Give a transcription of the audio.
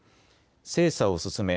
精査を進め